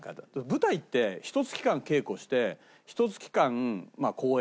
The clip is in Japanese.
舞台ってひと月間稽古してひと月間公演して。